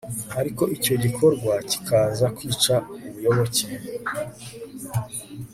ariko icyo gikorwa kikaza kwica ubuyoboke